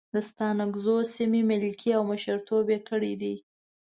د ستانکزو سیمې ملکي او مشرتوب یې کړی دی.